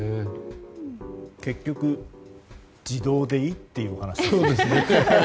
結局、自動でいいというお話。